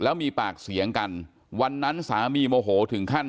แล้วมีปากเสียงกันวันนั้นสามีโมโหถึงขั้น